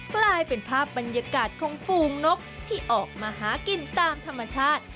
กลายเป็นภาพบรรยากาศของฟูงนกที่ออกมาหากินตามธรรมชาติ